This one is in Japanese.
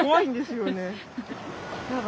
やだ。